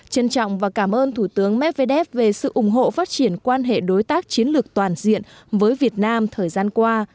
trân trọng và cảm ơn thủ tướng medvedev về sự ủng hộ phát triển quan hệ đối tác chiến lược toàn diện với việt nam thời gian qua